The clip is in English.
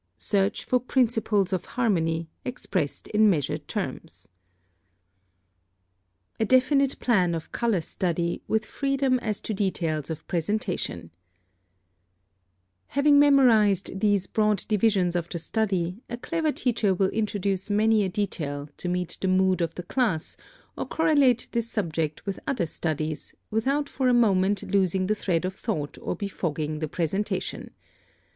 Search for principles of harmony, expressed in measured terms. +A definite plan of color study, with freedom as to details of presentation.+ [Footnote 16: See Color Study assigned to each grade, in Part II.] (51) Having memorized these broad divisions of the study, a clever teacher will introduce many a detail, to meet the mood of the class, or correlate this subject with other studies, without for a moment losing the thread of thought or befogging the presentation.